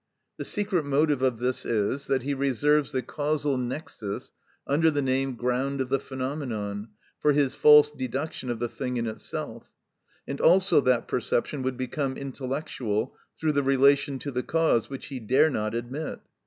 The secret motive of this is, that he reserves the causal nexus, under the name "ground of the phenomenon," for his false deduction of the thing in itself; and also that perception would become intellectual through the relation to the cause, which he dare not admit.